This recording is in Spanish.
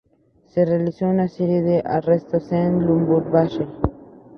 Se realizó una serie de arrestos en Lubumbashi.